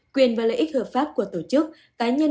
quyền và lợi ích hợp pháp của tổ chức cá nhân